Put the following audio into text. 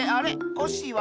コッシーは？